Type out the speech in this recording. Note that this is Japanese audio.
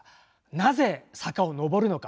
なぜ坂を上るのか？